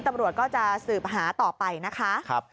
ตำรวจก็จะสืบหาต่อไปนะคะ